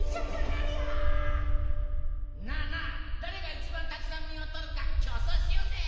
なあなあだれがいちばんたくさんみをとるかきょうそうしようぜ！